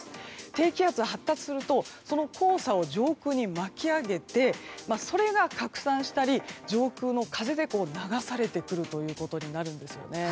低気圧が発達するとその黄砂を上空に巻き上げてそれが拡散したり上空の風で流されてくるということになるんですね。